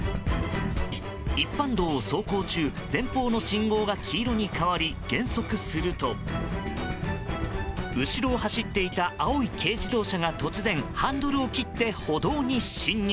一般道を走行中前方の信号が黄色に変わり減速すると後ろを走っていた青い軽自動車が突然ハンドルを切って歩道に進入。